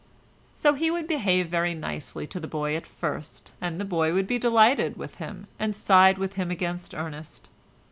So he would behave very nicely to the boy at first, and the boy would be delighted with him, and side with him against Ernest.